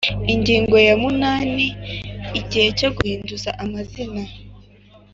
Ingingo ya munani Igihe cyo guhinduza amazina